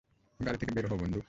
গাড়ি থেকে বের হও, বন্ধু।